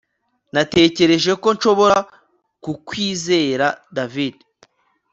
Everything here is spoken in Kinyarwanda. Natekereje ko nshobora kukwizera David